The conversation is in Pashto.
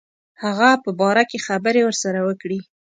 هغه په باره کې خبري ورسره وکړي.